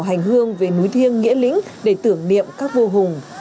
hành hương về núi thiêng nghĩa lĩnh để tưởng niệm các vô hùng